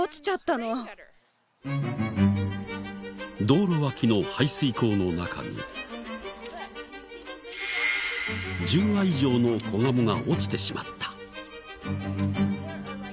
道路脇の排水口の中に１０羽以上の子ガモが落ちてしまった。